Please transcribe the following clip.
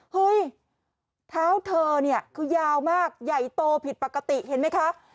เฮ้ยเท้าเธอเนี่ยคือยาวมากใหญ่โตผิดปกติเห็นไหมคะ